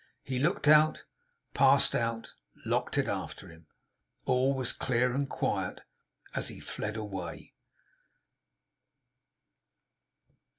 He looked out; passed out; locked it after him. All was clear and quiet, as he fled away.